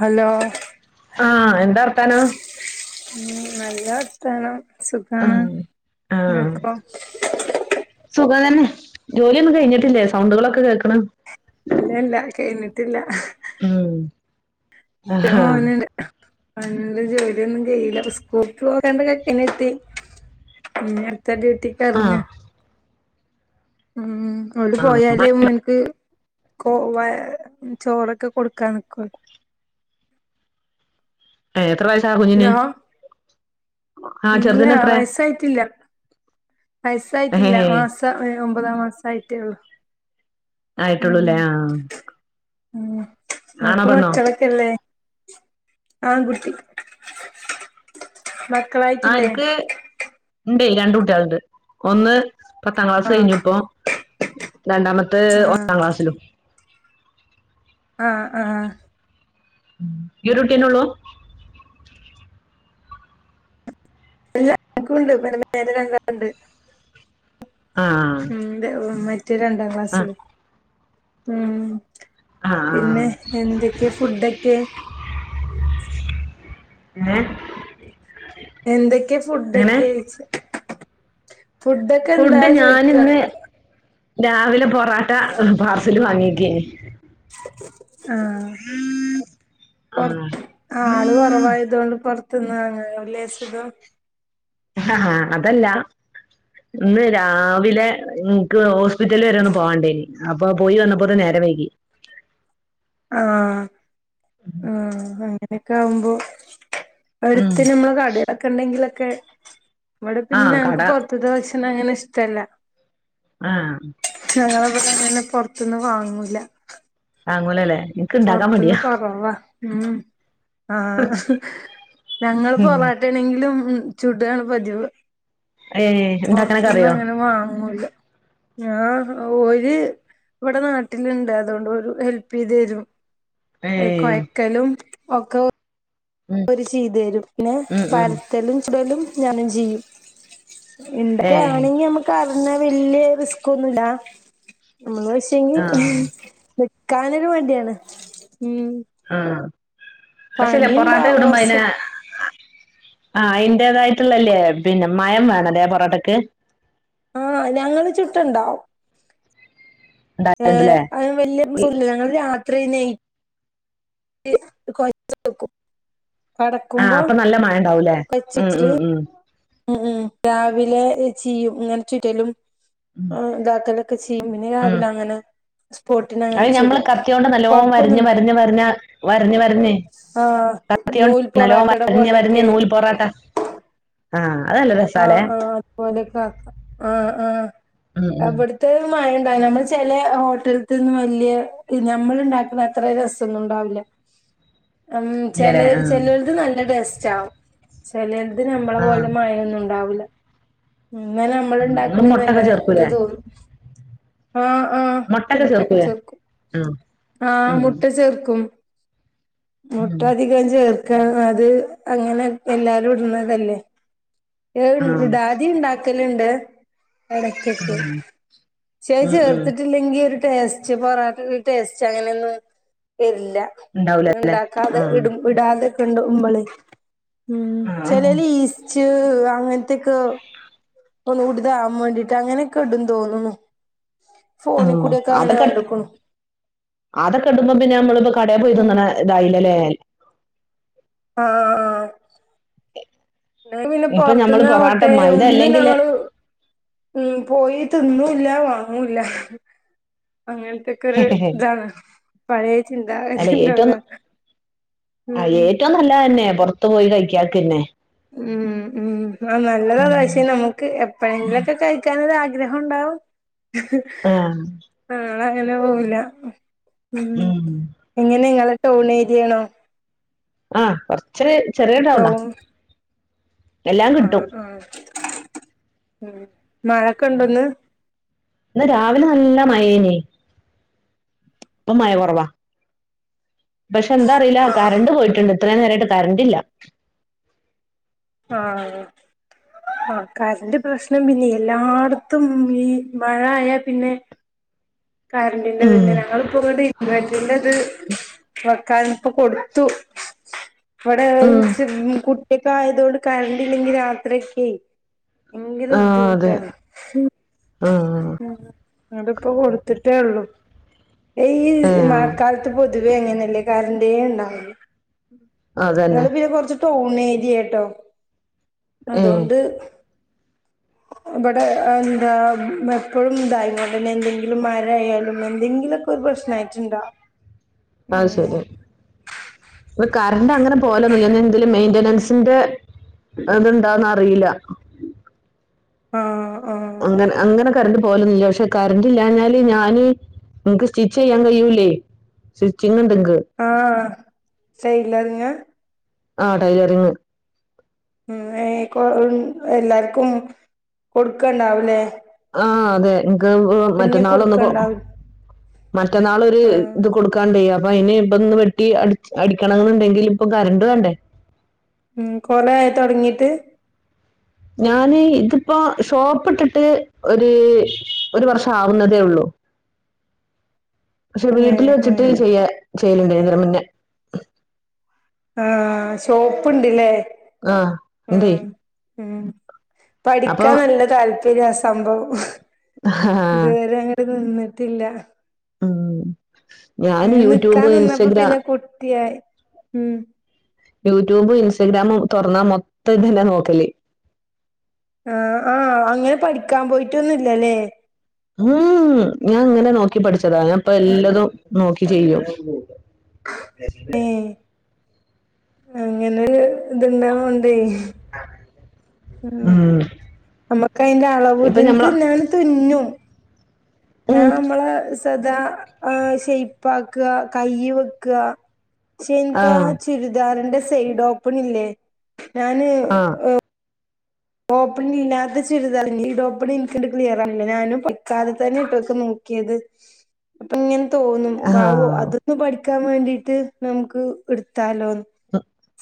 Hello ആഹ് എന്താർത്താനം ഉം നല്ല വർത്താനം സുഖാണ് ആഹ് ആഹ് ഇങ്ങക്കോ സുഖം തന്നെ ജോലിയൊന്നും കഴിഞ്ഞിട്ടില്ലേ സൗണ്ടുകളൊക്കെ കേൾക്ണ് ഇല്ലല്ല കഴ്ഞ്ഞിട്ടില്ല ഉം ആഹാ [unintelligible] അൻത് ജോലിയൊന്നും കെയ്യില്ല സ്കൂൾക്ക് പോകണ്ട ചെക്കനെത്തി ഉം നി അട്ത്ത ഡ്യൂട്ടിക്ക് എറങ്ങ് ആഹ് ഉം ഓൾഡ് ആഹ് പോയാല് മോന്ക്ക് കോ വ ചോറൊക്കെ കൊടുക്കാന്ന്ക്കൊ ഏഹ് എത്ര വയസാ കുഞ്ഞിന് ഹലോ ആഹ് ഇല്ല ചെറുതിന് എത്രേ വയസായിട്ടില്ല വയസായിട്ടില്ല ഏഹ് മാസ പ്പതാമസായിട്ടേള്ളൂ ആയിട്ടുള്ളൂല്ലേ ആഹ് ഉം ആണോ ങ്ങക്ക് പെണ്ണോ മക്കെളൊക്കെല്ലേ ആൺകുട്ടി മക്കളായ്റ്റ്ല്ലേ ണ്ടേ രണ്ട് കുട്ട്യാള്ണ്ട് ഒന്ന് പത്താം ക്ലാസ് ആഹ് കയ്ഞ്ഞു പ്പോ രണ്ടാമത്തെ ആഹ് ഒന്നാം ക്ലാസ്സിലും ആ ആ ഈരുട്ട്യന്നെള്ളു ഇല്ല എക്കുംണ്ട് [unintelligible] ആഹ് ഉം ന്റെ മറ്റേ രണ്ടാം ആഹ് ക്ലാസിലും ഉം ആഹ് ആഹ് പിന്നെ എന്തൊക്കെ ഫുഡൊക്കെ [inaudible] എന്തൊക്കെ എങ്ങനെ ഫുഡൊയ്ച്ച ഫുഡൊക്കെ എന്താ ഫുഡ് ചോയ്ക്ക ഞാനിന്ന് രാവിലെ പൊറോട്ട പാർസൽ വാങ്ങിക്കെയ്ന് ആ ആഹ് പൊർത്ത് ആള് കൊറവായതോണ്ട് പൊർത്ത് ത്ത്ന്ന് വാങ്ങാവുലേ സുഖം ആ അതല്ല ഇന്ന് രാവിലെ ൻക്ക് ഹോസ് പിറ്റല് വെരെ ഒന്ന് പോവാണ്ടേനി അപ്പൊ പോയി വന്നപ്പോത്തിന് നേരം വൈകി ആ ആ അങ്ങനൊക്കാവുമ്പോ ഉം എട്ത്ത് ഞമ്മള് കടേലൊക്കെ ണ്ടെങ്കിലൊക്കെ വടെ പിന്നെ ആഹ് ഞങ്ക്ക് കട പൊർത്ത്ത്തെ ഭക്ഷണങ്ങനെ ഇഷ്ടല്ല ആ ങ്ങളെ തന്നെ പൊറത്തൊന്നും വാങ്ങൂല വാങ്ങുലല്ലേ പുറത്തുന്ന് കൊറല്ല ഉ ആ ഞങ്ങ ഉം പൊറാട്ട ആണെങ്കിലും ഉ ചൂടാണ് പതിവ് ഏഹ് ഇണ്ടാക്കാനൊക്കെ പൊറത്തന്നും അറിയോ അങ്ങനെ വാങ്ങൂല ഒരുര് ഇവിടെ നാട്ടിലുണ്ട് അതുകൊണ്ട് ഒരു ഹെൽപ് ചെയ്ത് തരും ഏഹ് കൊയ്ക്കലും ഒക്കെ ഉം ഒരുര് ചെയ്ത തരും പിന്നെ ഉം ഉം പരത്തലും ചുടലും ഞാനും ചെയും ഏഹ് എന്തൊക്കൊണെങ്കി നമ്മക്ക് അറിഞ്ഞാ വല്യ റിസ്ക്കോന്നും ഇടാ നമ്മള് വച്ചെങ്കി ആഹ് നക്കാനൊരു വണ്ടിയാണ് ഉം പക്ഷേല്ല പൊറോട്ട പണിണ്ടാവും ഇടുമ്പോ അയിന് കൊറച്ചൊക്കെ ആ അതിന്റേതായിട്ടുള്ളല്ലേ പിന്നെ മയം വേണതെ പൊറോട്ടക്ക് ആഹ ഞങ്ങള് ചുട്ടുണ്ടാവും ഏ ഉണ്ടാക്കണ്ട്ല്ലേ അന് വലിയ പ്രസ ഞങ്ങള് രാത്രി ക്ക ആഹ് കടക്കുമ്പോ അപ്പൊ നല്ല മഴ ഉണ്ടാവൂലേ ഉം വച്ചച്ചിട്ട ഉം ഉം ഉ ഉം രാവിലെ ചെയ്യും അങ്ങനെ ചുറ്റലും ഉം ആ ഇതാക്കലൊക്കെ ചെയീ പിന്നെ ഉം രാവില്ല അങ്ങനെ സ്പോട്ടിന് അങ്ങനെ അത് ഞമ്മള് ചുടും കത്തിയോണ്ട് നല്ലോ വരഞ്ഞ് കൊഴപ്പൊന്നുല്ല വരഞ്ഞ് വരഞ് വരഞ്ഞ് വരഞ്ഞ് ആഹ് നൂൽ കത്തിയണ്ട്ലോ പൊറാട്ടയുടെ വരഞ്ഞ് വരഞ് പോലെയൊക്കെ നൂൽ പൊറോട്ട ആഹ അതല്ല രസാലേ ലെ ആ ആ ആ ഉം ഉം അവിടുത്തെ മ ഉണ്ടാവ നമ്മൾ ചില ഹോട്ടലത്തിന്നന്ന് വലിയ നമ്മൾ ഉണ്ടാക്കുന്ന അത്ര രാസൊന്നും ഉണ്ടാവില്ല ഉ ഇല്ലലേ ആഹ് ചെരുത് നല്ല ടേസ്റ്റ് ആകും ചരുത് നമ്മളെ ആഹ് പോലെ ഒന്നുംണ്ടാവില്ല എന്ന നമ്മൾ നിങ്ങള് ഇണ്ടാക്കണ നല്ല മുട്ടൊക്കെ ഇത് ചേർക്കൂലേ തോന്നും ആഹ ആഹ മുട്ടൊക്കെ മുട്ടക്കെ ചേർക്കൂലേ ചേർക്കും ആഹ് ആഹ് ഉം മുട്ട ചേർക്കും ഉം മുട്ടധികം ചേർക്കണം അത് അങ്ങനെ എല്ലാരും ഇടുന്നതല്ലേ ഏ ആഹ് ഇടാദ ഉണ്ടാക്കലുണ്ട് ആഹ് എടക്കൊക്കെക്ഷേ ഉം ഉം ചേർത്തിട്ടില്ലെങ്കി ഒരു ടേസ്റ്റ് പൊറോട്ട ടേസ്റ്റ് അങ്ങനെയൊന്നും ല്ല ഉണ്ടാവൂലേ ഉണ്ടാക്കാതെ ആഹ് ഇട ഇടാതെ കണ്ട് ഉ്പള ഉം ആഹ് ചെിലല് ഈസ്റ്റ് അങ്ങനത്തൊക്കെ ഒന്ന്ടുതാകൻ വേണ്ടീട്ട് അങ്ങനെയൊക്കെ ഇടന്ന് തോന്നുന്നു ഫോണിൽ ആഹ് കൂടെൊക്കെ അങ്ങനെ അതൊക്കെ കണ്ടക്കണു അതൊക്കെ കണ്ടുമ്പോ പിന്നെ നമ്മളിപ്പോ കടയൽ ഉം പോയിതിന്നണ ഇതായില്ലല്ലേ ആഹ് ആഹ് പിന്നെ ഇപ്പൊ ഞമ്മള് പുറത്തുന് പൊറാട്ട വട്ടെ മൈദ ഒന്ന് അല്ലെങ്കിൽ ഞങ്ങങ്ങള് ഉ പോയി തിന്നു ഇല്ല വാങ്ങൂല അങ്ങനത്തെക്കെ ഒരു ഇതാണ് പഴയ അല്ല ചിന്താഗതിണ്ടല ഏറ്റവും ആ ഏറ്റവും നല്ല പുറത്തു പോയി കഴിക്കാക്ക്ന്നെ ഉം ഉ ആ ഉം നല്ലതാതാ പക്ഷേ നമുക്ക് എപ്പഴെങ്കിലുംക്കെ കഴിക്കാന ഗ്രഹം ഉണ്ടാവും ആഹ് ആള അങ്ങനെ പോവില്ല ഉം എങ്ങനെ നിങ്ങളെ ടൗൺ ഏരിയയാണോ ആഹ കൊറച്ച് ചെറിയടാവണാ ടൗൺ എല്ലാം ആഹ് കിട്ടും ആഹ് ഉം മഴൊക്കെ ഇണ്ടോന്ന് എന്നാ രാവിലെ നല്ല മയേന അപ്പ മ കുറവാ പക്ഷെ എന്താ അറിയില്ല കരണ്ട് പോയിട്ടുണ്ട് അത്രയും നേരമായിട്ട് കരണ്ടില്ല ആ ആ കരന്റ് പ്രശ്നം പിന്നെ എല്ലാടത്തും ഈ മഴായാ പിന്നെ കര്ണ്ടിന്റെത് പിന്നെ ഉം ഞങ്ങളിപ്പോ ങ്ങട്ട് ഇൻവേർട്ടറിന്റെത് വെ കയ് ഞ്പ്പ കൊടുത്തു ഇവടെ ഉം [unintelligible] ട്ടി ക്കെ ആയതോണ്ട് കറണ്ട് ഇല്ലെങ്കി രാത്രിയൊക്കെ എങ്കര ആഹ് അതെ ബുദ്ധിമുട്ടാണ്. ആഹ് ഉം അതുപ്പ കൊടു ട്ടേ ഉള്ളൂ ഈ ഏഹ് മഴക്കാലത്ത് പൊതുവെ അങ്ങനല്ലേ കര്ണ്ടേ ണ്ടാവൂല്. അതന്നെ ങ്ങള് പിന്നെ കൊറച്ച് ടൗൺ ഏര്യാ ട്ടോ. ഏഹ് അതോണ്ട് വടെ എന്താ വെപ്പളും ന്തായന്നെ ല്ലേ എന്തെ ങ്കിലും മരായാലും എന്തെങ്കിലൊക്കെ ഒരു പ്രശ്ന ആയിട്ടുണ്ടാ അഹ് ശരി വെ കാ കന്റ് അങ്ങനെട് പോഅലോന്നുല്യ ഞ എന്തെലു മെയിന്റനൻസിന്റെ അത്ണ്ടോന്ന അറിയില. ആഹ് ആഹ് അങ്ങനെ അങ്ങനെ കറണ്ട് പോലൊന്നില്ല പക്ഷെ കറണ്ട് ഇല്ലഞ്ഞാല് ഞാന് ഇൻക്ക് സ്റ്റിച്ച് ചെയ്യാൻ കഴിയൂല്ലേ. സുച്ചിങ്ണ്ട് [unintelligible] ആഹ് സെയ്ടില [unintelligible] ആഹ് ടൈലറിങ്. ഉം ഏഹ് കൊ ഉം എല്ലാർക്കും കൊടുക്കണ്ടാവ് ലേ ആഹ് അതെ [unintelligible] മറ്റന്നാളൊന്ന് കൊ കൊടുക്കണ്ടാവും മറ്റന്നാളൊരു ആഹ് ഇത് കൊടുക്കാണ്ടേയ് അപ് വയിന് ഇപ്പൊന്ന് വെട്ടി അട്ച് അടിക്കണംന്ന്ണ്ടെങ്കിൽ ഇപ്പൊ കറണ്ട് വേണ്ടേ. ഉം കൊലേയൊ തൊടങ്ങീട്ട്? ഞാന് ഇതിപ്പോ ഷോപ് ഇട്ടിട്ട് ഒരു ഒരു വർഷം ആവുന്നതേ ഉള്ളു. പക്ഷെ വീട്ടിൽ ഏഹ് വെച്ചിട്ട് ഏഹ് ചെയ്യ ചെയ്യല്ണ്ടേന്നു മുന്നേ. ആ ഷോപ്പ്ണ്ട്ല്ലേ ആ ണ്ടേ ഉം ഉം പഠിക്കാൻ നല്ല താല്പര്യ സംഭവം ഇതുവരെ അങ്ങട്ട് നിന്ന്ട്ടില്ല ഉം ഞാൻ ഏ യൂട്യൂബ് നിക്കാൻനിന്നപ്പ ഇൻസ്റ്റഗ്രാം പിന്നെ കുട്ട്യായി ഉം യൂട്യൂബും ഇൻസ്ഗ്രാമും തൊറന്നാ മൊത്തം ഇതെന്നെ നോക്കല് ആ ആ അങ്ങനെ പഠിക്കാൻ പോയിട്ടൊന്നുല്ലല്ലേ ഉം ഞാങ്ങനെ നോക്കിപഠിച്ചതാ ഞാപ്പെല്ലതും നോക്കി ചെയ്യോ ഏഹ് അങ്ങനൊരു ഇത്ള്ളോങ്കൊണ്ടേ ഉം ഞമ്മക്കയ്ൻ്റെ ഇപ്പൊ അളവും ഞമ്മള ത് ഞാൻതുന്നും ഉം ഞാൻ നമ്മളെ സ് ത്തതാ ആ ശൈപ്പാക്ക കയ്യ് വെക്കാ ക്ഷെ ഇൻക്കാ ആഹ് ചുരിദാറിന്റെ സൈഡോപ്പണ്ല്ലേ ഞാന് ആഹ് എ ഓപ്പണില്ലാത്ത ചുരിതാറ്ല്ലെ യ്ല് ഓപ്പൺൻക്ക്ണ്ട് ക്ലിയറാവ്ണില്ല ഞാനും പിക്കാലത്തന്നെ ഇട്ടൊക്കെ നോ ക്കേത് അപ്പങ്ങനെ തോന്നും വാവോ ആഹ് അതൊന്ന് പഠിക്കാൻവേണ്ടീട്ട് നമുക്ക് ട്ത്താലോന്ന്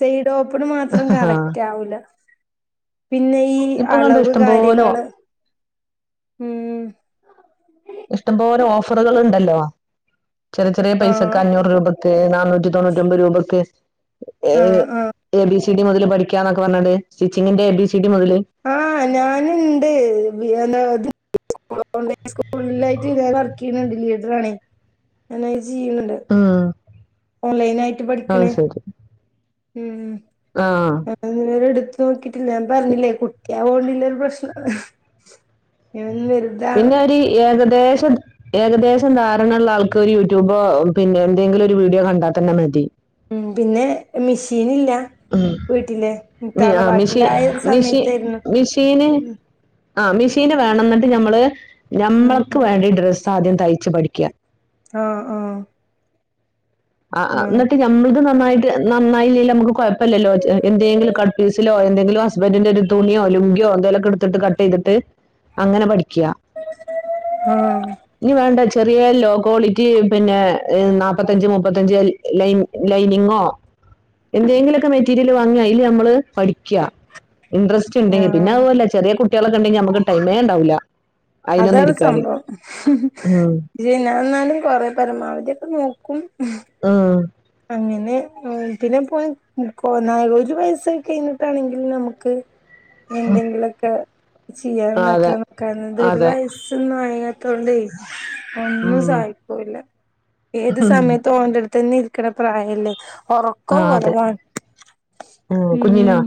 സൈഡോപ്പണ് മാത്രം കറക്റ്റാവൂല പിന്നെ ഈ ഇപ്പൊ കണ്ടോ അളവ് ഇഷ്ടം പോലെ കാര്യങ്ങള് ഉം ഇഷ്ടംപോലെ ഓഫറുകളുണ്ടല്ലോ ചെറ് ചെറിയ ആഹ് പൈസക്ക് അഞ്ഞൂറ് രൂപ ത്ത് നാനൂറ്റിതൊണ്ണൂറ്റൊമ്പത് രൂപക്ക് ആ ഏഹ് ആ എ ബി സി ടി മുതല് പഠിക്കന്നാക്കാ പറഞ്ഞണ്ട് സ്റ്റിച്ചിങ്ങിന്റെ എ ബി സി ഡി മുതല് ആഹ് ഞാന്ണ്ട് വി എന്താ [unintelligible] സ്കൂളിലായിറ്റ് വർക്കയ്യ്ണ് ണ്ട് ലീഡറാണെ [unintelligible] ഉം ഓൺലൈനായിട്ട് അത് പഠിക്ക്ണെ ശരി ഉം ആഹ് [unintelligible] എടു ത്തൊക്കിട്ടില്ല ഞാൻപറഞ്ഞില്ലേ കുട്ടിയാവോണ്ടില്ലെ ഒര്പ്രശ്നം പിന്നെ ഒര് ഏകദേശ് [unintelligible] ഏകദേശം ധാരണള്ളാൾക്ക് ഒരു യൂട്യൂബോ പിന്നെന്തേങ്കിലൊരു വീഡിയോ കണ്ടാതന്നെ മതി ഉം പിന്നെ മിഷീനില്ലാ ഉം. വീട്ടില് മി ആഹ് മിഷീ തറവാട്ടിലായ മിഷി സമയത്തായിരുന്നു മിഷീന് ഉം ആ മിഷീന് വേണംന്നിട്ട് ഞമ്മള് ഉം ഞമ്മൾക്ക് ഉം വേണ്ട ഡ്രസ്സാദ്യം തയ്ച്ച് പഠിക്കാ ആഹ് ആഹ് ആഹ് ആഹ് ഉം ന്നിട്ട് ഞമ്മള്ത് നന്നായി ട്ട് നന്നായില്ലേലും നമ്മക്ക് കൊഴപ്പല്ലല്ലോ ചെ എന്തേങ്കിലും കട്ട്പീസിലോ എന്തെങ്കിലും ഹസ്ബന്റിന്റൊരു തുണിയോ ലുങ്കിയോ യോ എന്തെലൊക്കെ എടുത്തിട്ട് കട്ടെയ്തിട്ട് അങ്ങനെ പഠിക് ക്ക്യ ആഹ് ഇനിവേണ്ട ചെറിയ ലോക്വാളിറ്റി പിന്നെ നാപത്തഞ്ച് മുപ്പ് മുപ്പത്തഞ്ച് ലൈ ലൈനിങ്ങോ എന്തേങ്കിലൊക്കെ മെറ്റീരിയല് വാങ്ങി ഐല്നമ്മള് പഠിക്കാ ഇൻറസ്റ്റ്ണ്ടെങ്കി പിന്നെ ആഹ് അതുപോലെ ചെറിയേ കുട്ടൃളൊക്കെണ്ടെങ്കി നമ്മക്ക് ടൈമേണ്ടാവൂല അതാണ് സംഭവം ഉം. ഏന്നാനാലും കൊറേ പരമാവധിയൊക്കെ നോ ആഹ് അങ്ങനെ പിന്നെപോയി കൊ നാ ഒരു വയസായി കഴിഞ്ഞിട്ടാണെങ്കിൽ നമക്ക് ഉം. എന്തെങ്കില്ക്കെ ആ, അതെ ചെയ്യാൻന്നക്കാ നിക്കാ ഇത് ഒരു അതെ വയസൊന്നാകാത്തോണ്ടേ ഒന്നും ഉം. സാ കൂല ഏത് ഉം. സമയത്തും ഓന്റെടുത്തെന്നെ ഇരിക്ക്ണ പ്രായല്ലേ ആ ഒറക്കം അതെ കൊറവാ ഉം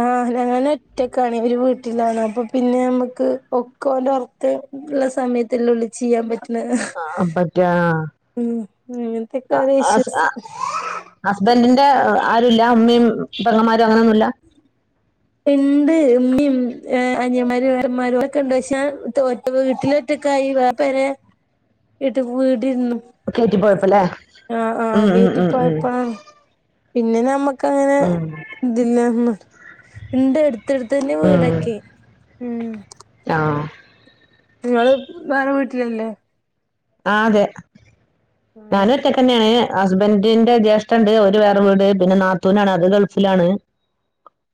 ആ ഞാനൊറ്റക്കാണ് ഒരു വീട്ടിലാണ് അപ്പൊ പിന്നെമ്മക്ക് ഒക്കെഓല്റത്ത് ഉള്ള സമയത്തില്ലേ ഒളി ച്ചിയ്യാ പറ്റു ആ പറ്റാ അങ്ങനത്തെക്കെ അ ഓരോ ആ ഇഷ്യൂസ് അ ഹസ്ബന്റിന്റെ ആ ആരൂല്ല ഉമ്മീം ബെങ്ങമാരു അങ്ങനൊന്നുല്ല ഉണ്ട് ഉമ്മീം അനിയമാരും വേരന്മാരും ഒക്കെ ഉണ്ട് പക്ഷെ ഒറ്റ വീട്ടിലൊറ്റ ക പരെ ഇട്ട് വീടിരുന്നു. പോഴപ്പല്ലേ ആഹ ആഹ വീട്ടിൽപോയപ്പൊ പിന്നെ നമ്മ കാ ഉം ഇണ്ട് അട്ത്തന്നെ ഉം വീടൊക്കെ ഉം ആഹ് നിങ്ങള് വേറെ വീട്ടിലല്ലേ ആ അതെ ആഹ് ഞാനൊറ്റക്കന്നേ ഹസ്ബൻഡിന്റെ ജ്യേഷ്ഠണ്ട് ഓല് വേറെ വീട് പിന്നെ നാത്തൂനാണ് അത് ഗൾഫിലാണ്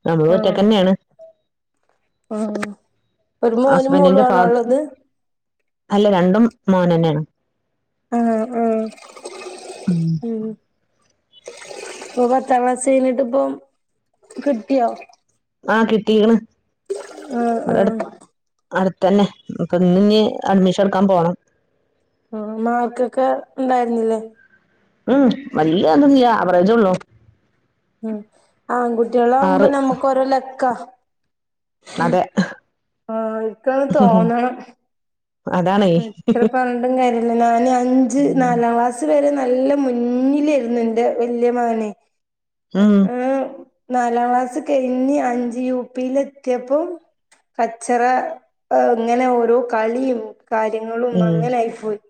നങ്ങളൊറ്റക്കന്നയാണ് ആ ഒരു മോനും മോളും ഹസ്ബൻഡിന്റെ ഫാ ആണോ ഉള്ളത് അല്ല രണ്ടും മോനന്നാണ് ആഹ ആഹ ഉ ഇപ്പൊ പത്താം ക്ലാസ് കഴഞ്ഞിട്ട് ഇപ്പൊ കിട്ടിയോ ആഹ് കിട്ടീക്ണ് ആ ആ അടുത്തതന്നെ അപ്പൊ ഇനി ഇ അഡ്മിഷൻ എടുക്കാൻ പോണം ആ നല്ല മാർക്കൊക്കെ ഉണ്ടായിന്നില്ലേ ഉം വല്യഅതൊന്നില്യ അവറേജെ ഉള്ളൂ. ഉം ആറ് ആൺകുട്ട്യാളാമ്പോ നമുകൊരോ ലക്കാ. ഉം അതെ ഓൾക്കത് തോന്നണം. അതാണേ അപ്പ എത്രപറഞ്ഞിട്ടും കാര്യഇല്ലാലോ ഇനി അഞ്ച് നാലാം ക്ലാസ് വരെ നല്ല മുന്നിലേര്ന്നു എന്റെ വെല്യമകനേ. ഉം ഉം നാലാം ക്ലാസ് കഴിഞ്ഞ് അഞ്ച് യു. പി. ലെത്യാപ്പോ കച്ചറ ഏഹ് അങ്ങനെ ഓരോ കളീയും കാര്യങ്ങളു ഉം ഒന്നാഅങ്ങനായി പോയി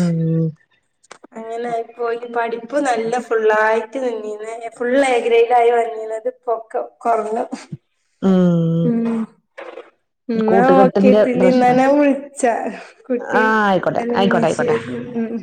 ഉം അങ്ങനായിപ്പോയി പഠിപ്പ് നല്ല ഫള്ളായിട്ട് നിന്ന് ഫുള്ള് എഗ്രഡായി വന്നീന അത് പൊകാം കൊറഞ്ഞു ഉം. ഇന്നലെ കൂട്ടുകെട്ടിന്റെ നോക്കിട്ടില്ല പ്രശ്ന ഇന്നലെ വിളിച്ച കുട്ടി. ആഹ് ആയിക്കോട്ടെ എന്ന ആയിക്കോട്ടെ ആയിക്കോട്ടെ ശരി ഉം